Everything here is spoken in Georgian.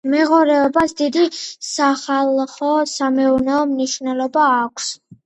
მეღორეობას დიდი სახალხო-სამეურნეო მნიშვნელობა აქვს.